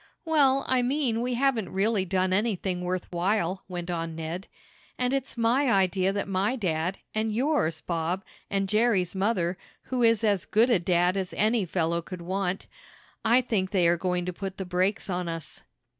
"Well, I mean we haven't really done anything worth while," went on Ned. "And it's my idea that my dad, and yours, Bob, and Jerry's mother, who is as good a dad as any fellow could want I think they are going to put the brakes on us."